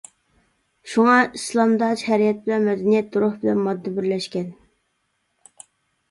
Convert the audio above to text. شۇڭا ئىسلامدا شەرىئەت بىلەن مەدەنىيەت، روھ بىلەن ماددا بىرلەشكەن.